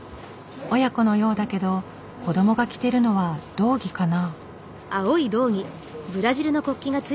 親子のようだけど子どもが着てるのは道着かな？